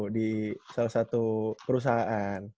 di salah satu perusahaan